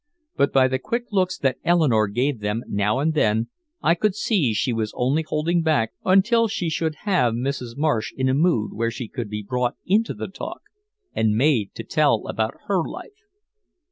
But by the quick looks that Eleanore gave them now and then, I could see she was only holding back until she should have Mrs. Marsh in a mood where she could be brought into the talk and made to tell about her life.